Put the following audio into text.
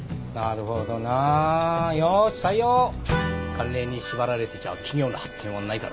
慣例に縛られてちゃ企業の発展はないからな。